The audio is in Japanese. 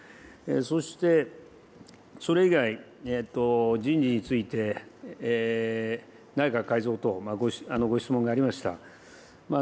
そしてそれ以外、人事について、内閣改造等、ご質問がありました。